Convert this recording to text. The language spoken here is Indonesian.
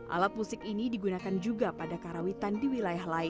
alat musik ini digunakan juga pada karawitan di wilayah lain